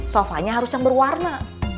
sofanya harus yang berwarna